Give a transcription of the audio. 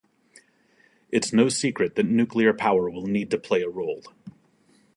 It’s no secret that nuclear power will need to play a role.